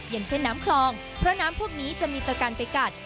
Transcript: อย่างเช่นน้ำคลองเพราะน้ำพวกนี้จะมีตะกันไปกัด